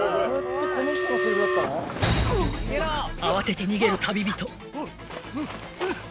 ［慌てて逃げる旅人］